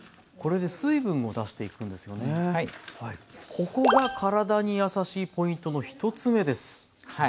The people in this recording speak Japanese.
ここが体にやさしいポイントの１つ目です。